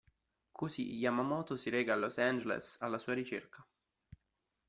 Così Yamamoto si reca a Los Angeles alla sua ricerca.